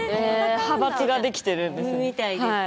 派閥ができてるんですね。